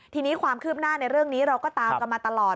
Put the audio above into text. ทีนี้ความคืบหน้าในเรื่องนี้เราก็ตามกันมาตลอด